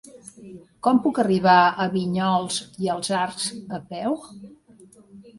Com puc arribar a Vinyols i els Arcs a peu?